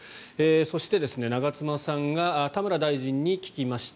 そして、長妻さんが田村大臣に聞きました。